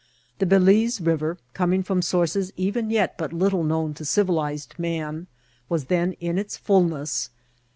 The Balize River, coming from sources even yet but little known to civilized man, was then in its fulness.